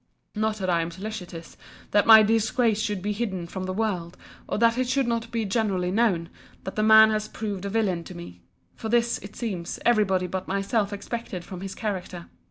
—Not that I am solicitous, that my disgrace should be hidden from the world, or that it should not be generally known, that the man has proved a villain to me: for this, it seems, every body but myself expected from his character.